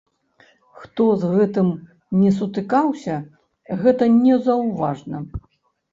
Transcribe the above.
Хто з гэтым не сутыкаўся, гэта незаўважна.